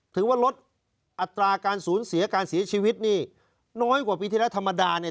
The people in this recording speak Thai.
ถือว่าลดอัตราการสูญเสียการเสียชีวิตนี่น้อยกว่าปีที่แล้วธรรมดาเนี่ย